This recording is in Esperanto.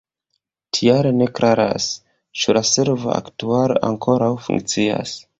Tial ne klaras, ĉu la servo aktuale ankoraŭ funkcias.